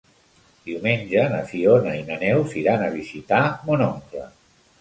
Diumenge na Fiona i na Neus iran a visitar mon oncle.